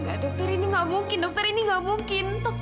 enggak dokter ini gak mungkin dokter ini gak mungkin